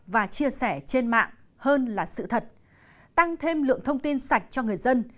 và chia sẻ trên mạng hơn là sự thật tăng thêm lượng thông tin sạch cho người dân